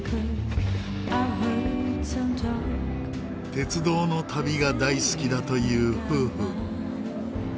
鉄道の旅が大好きだという夫婦。